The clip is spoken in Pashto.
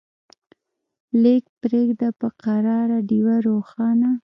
لیږه پریږده په قرار ډېوه روښانه